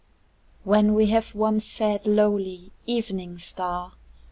When we have once said lowly "Evening Star!"